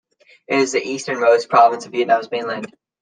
It is the easternmost province of Vietnam's mainland.